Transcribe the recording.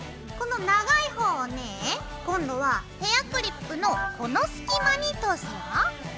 この長いほうをね今度はヘアクリップのこの隙間に通すよ。